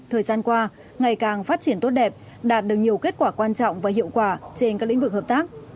thời gian qua ngày càng phát triển tốt đẹp đạt được nhiều kết quả quan trọng và hiệu quả trên các lĩnh vực hợp tác